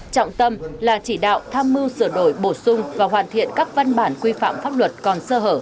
trọng tâm là chỉ đạo tham mưu sửa đổi bổ sung và hoàn thiện các văn bản quy phạm pháp luật còn sơ hở